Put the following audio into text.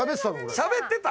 しゃべってた⁉